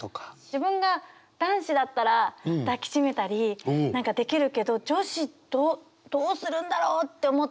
自分が男子だったら抱きしめたりできるけど女子どうするんだろうって思って。